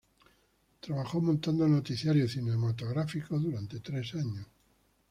Trabajó montando noticiarios cinematográficos durante tres años.